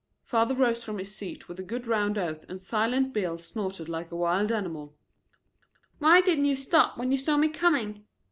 Father rose from his seat with a good round oath and silent Bill snorted like a wild animal. "Why didn't you stop when you saw me coming?"